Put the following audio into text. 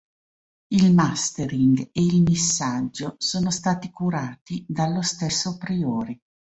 Il mastering e il missaggio sono stati curati dallo stesso Priori.